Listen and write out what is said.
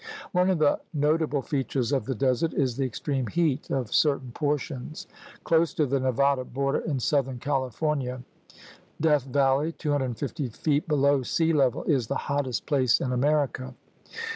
One of the notable features of the desert is the extreme heat of certain portions. Close to the Nevada border in southern California, Death Valley, 250 feet below sea level, is the hot test place in America.